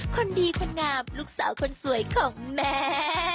คนดีคนงามลูกสาวคนสวยของแม่